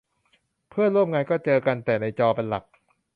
เพื่อนร่วมงานก็เจอกันแต่ในจอเป็นหลัก